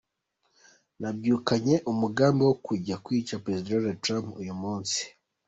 Nabyukanye umugambi wo kujya kwica Perezida Donald Trump uyu munsi.